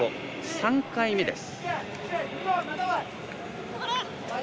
３回目です。